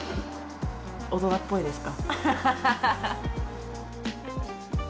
大人っぽいですか？